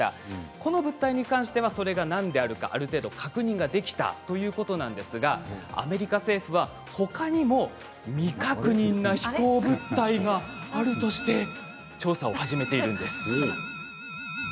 この物体に関してはそれが何であるかある程度確認ができたということなんですがアメリカ政府は他にも未確認の飛行物体があるとして調査を始めているんです。